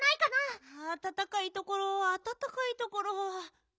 あたたかいところあたたかいところ。